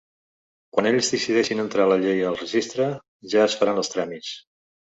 Quan ells decideixin entrar la llei al registre, ja es faran els tràmits.